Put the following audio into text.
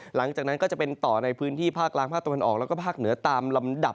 หลังจากนั้นก็จะเป็นต่อในพื้นที่ภาคกลางภาคตะวันออกแล้วก็ภาคเหนือตามลำดับ